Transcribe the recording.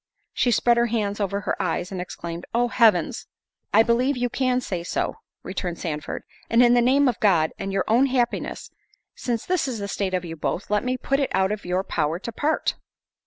She spread her hands over her eyes, and exclaimed, "Oh, Heavens!" "I believe you can say so," returned Sandford; "and in the name of God, and your own happiness, since this is the state of you both, let me put it out of your power to part."